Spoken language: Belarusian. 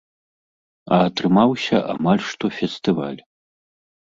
А атрымаўся амаль што фестываль.